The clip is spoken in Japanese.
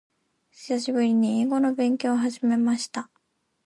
久しぶりに英語の勉強を始めました。